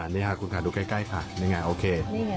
นี่ค่ะคุณค่ะดูใกล้ค่ะนี่ไงโอเค